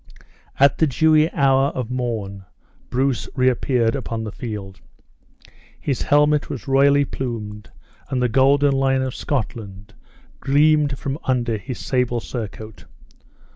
At the dewy hour of morn Bruce reappeared upon the field. His helmet was royally plumed, and the golden lion of Scotland gleamed from under his sable surcoat.